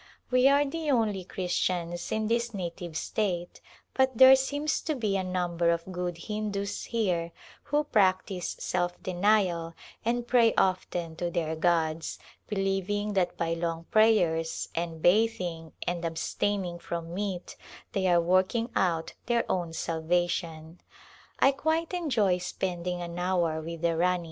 We are the only Christians in this native state, but there seems to be a number of good Hindus here who practice self denial and pray often to their gods, be lieving that by long prayers and bathing and abstain ing from meat they are working out their own salva tion. I quite enjoy spending an hour with the Rani.